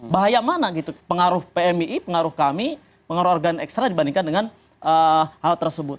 bahaya mana gitu pengaruh pmii pengaruh kami pengaruh organ ekstra dibandingkan dengan hal tersebut